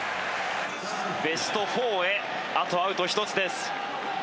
ベスト４へあとアウト１つです。